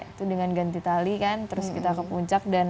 itu dengan ganti tali kan terus kita ke puncak dan